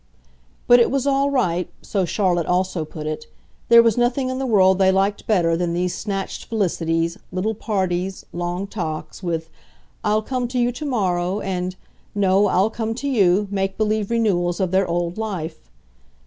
But it was all right so Charlotte also put it: there was nothing in the world they liked better than these snatched felicities, little parties, long talks, with "I'll come to you to morrow," and "No, I'll come to you," make believe renewals of their old life.